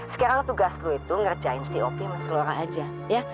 sekarang tugas lo itu ngerjain si opi sama si laura aja ya